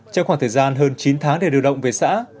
trong khoảng thời gian hơn chín tháng để điều động về xã